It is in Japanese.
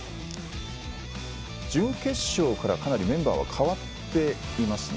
準決勝から、かなりメンバーは変わっていますね。